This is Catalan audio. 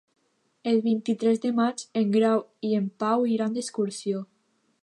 El vint-i-tres de maig en Grau i en Pau iran d'excursió.